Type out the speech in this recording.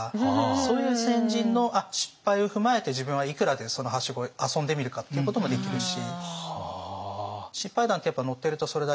そういう先人の失敗を踏まえて自分はいくらでそのはしご遊んでみるかっていうこともできるし。